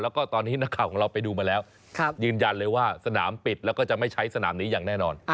แล้วก็ตอนนี้นักข่าวของเราไปดูมาแล้วยืนยันเลยว่าสนามปิดแล้วก็จะไม่ใช้สนามนี้อย่างแน่นอน